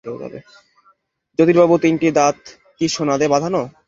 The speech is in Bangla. জ্যোতিবাবুর তিনটি দাঁত কি সোনা দিয়ে বাঁধানো?